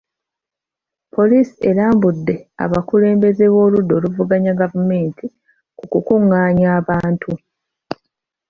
Poliisi erambudde abakulembeze b'oludda oluvuganya gavumenti kukukungaanya abantu.